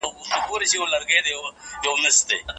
نيالګي کېنول صدقه جاریه ده.